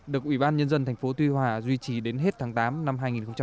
được ủy ban nhân dân thành phố tuy hòa duy trì đến hết tháng tám năm hai nghìn hai mươi